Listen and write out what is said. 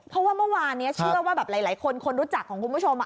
เพราะว่าเมื่อวานนี้เชื่อว่าแบบหลายคนคนรู้จักของคุณผู้ชม